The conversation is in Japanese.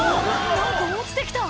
何か落ちて来た」